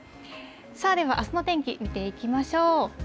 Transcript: では、あすの天気、見ていきまし